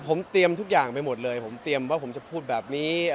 ผมเตรียมทุกอย่างไปหมดเลยผมเตรียมว่าผมจะพูดแบบนี้